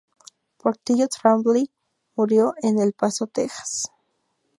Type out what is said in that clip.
Portillo-Trambley murió en El Paso, Texas.